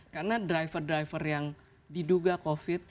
karena driver driver yang diduga covid